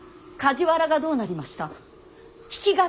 比企がどうなりました。